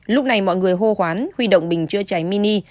lúc này mọi người hô hoán huy động bình chữa cháy mini